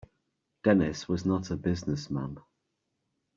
Dennis was not a business man.